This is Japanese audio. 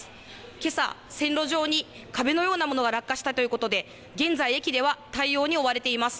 けさ、線路上に壁のようなものが落下したということで、現在、駅では対応に追われています。